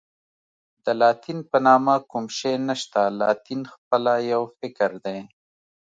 د لاتین په نامه کوم شی نشته، لاتین خپله یو فکر دی.